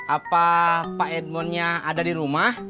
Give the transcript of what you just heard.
apa pak edmondnya ada di rumah